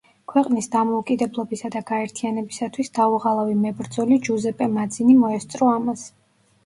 ქვეყნის დამოუკიდებლობისა და გაერთიანებისათვის დაუღალავი მებრძოლი ჯუზეპე მაძინი მოესწრო ამას.